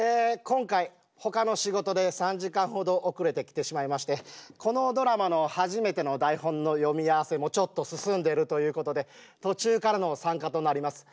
今回ほかの仕事で３時間ほど遅れてきてしまいましてこのドラマの初めての台本の読み合わせもちょっと進んでるということで途中からの参加となります。